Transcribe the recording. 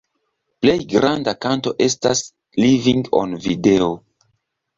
Plej granda kanto estas „Living on Video”.